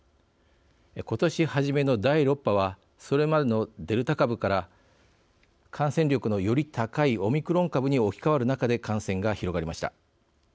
ことし初めの第６波はそれまでのデルタ株から感染力のより高いオミクロン株に置き換わる中で感染が広がりました。